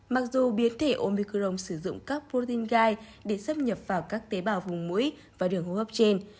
mặc dù biến thể omicron sử dụng caproling gai để xâm nhập vào các tế bào vùng mũi và đường hô hấp trên